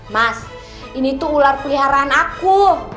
mas ini tuh ular peliharaan aku